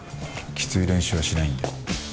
きつい練習はしないんで。